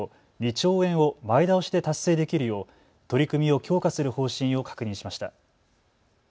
２兆円を前倒しで達成できるよう取り組みを強化する方針を確認しました。